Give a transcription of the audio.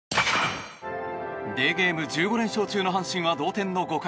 デーゲーム１５連勝中の阪神は同点の５回。